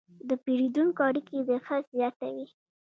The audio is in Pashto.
د پیرودونکو اړیکې د خرڅ زیاتوي.